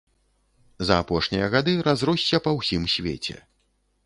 За апошнія гады разросся па ўсім свеце.